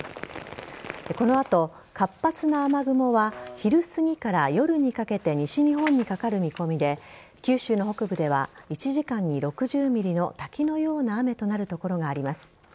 この後、活発な雨雲は昼すぎから夜にかけて西日本にかかる見込みで九州の北部では１時間に６０ｍｍの滝のような雨となる所があります。